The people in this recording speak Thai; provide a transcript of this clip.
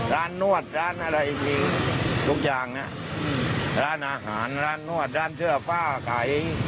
นวดร้านอะไรมีทุกอย่างนะร้านอาหารร้านนวดร้านเสื้อผ้าขาย